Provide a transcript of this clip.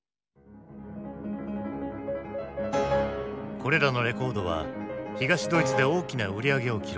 これらのレコードは東ドイツで大きな売り上げを記録。